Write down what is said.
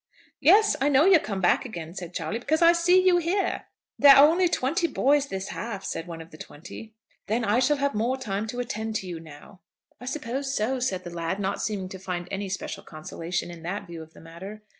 "Yes; I know you're come back again," said Charley, "because I see you here." "There are only twenty boys this half," said one of the twenty. "Then I shall have more time to attend to you now." "I suppose so," said the lad, not seeming to find any special consolation in that view of the matter.